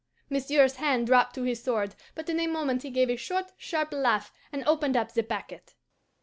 Monsieur's hand dropped to his sword, but in a moment he gave a short, sharp laugh, and opened up the packet.